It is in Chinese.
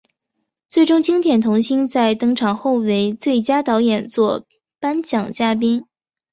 最终经典童星在登场后为最佳导演作颁奖嘉宾。